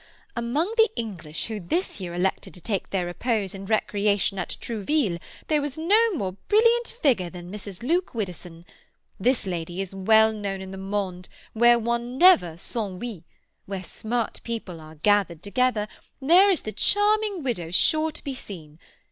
"Among the English who this year elected to take their repose and recreation at Trouville there was no more brilliant figure than Mrs. Luke Widdowson. This lady is well known in the monde where one never s'ennuie; where smart people are gathered together, there is the charming widow sure to be seen.